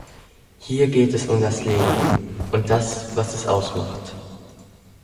Hier geht es um das Leben und das, was es ausmacht.